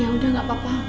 ya udah gak apa apa